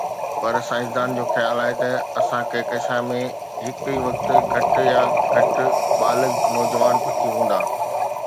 پر سائنسدانن جو خيال آهي ته اسان جي ڪهڪشان ۾ هڪ ئي وقت گهٽ يا گهٽ بالغ يا نوجوان پکي هوندا.